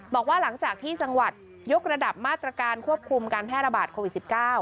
บอกว่าหลังจากที่จังหวัดยกระดับมาตรการควบคุมการแพร่ระบาดโควิด๑๙